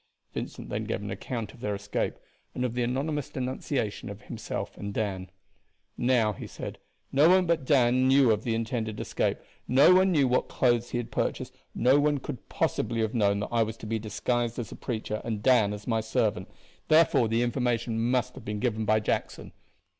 Vincent then gave an account of their escape, and of the anonymous denunciation of himself and Dan. "Now," he said, "no one but Dan knew of the intended escape, no one knew what clothes he had purchased, no one could possibly have known that I was to be disguised as a preacher and Dan as my servant. Therefore the information must have been given by Jackson."